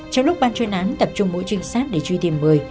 trong lúc ban chuyên án tập trung mỗi truyền sát để truy tìm mời